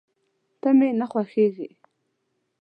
ته مي نه خوښېږې !